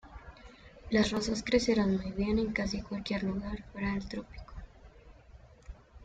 Las rosas crecerán muy bien en casi cualquier lugar fuera del trópico.